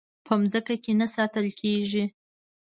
په ځمکه کې نه ساتل کېږي.